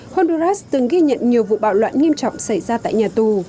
honduras từng ghi nhận nhiều vụ bạo loạn nghiêm trọng xảy ra tại nhà tù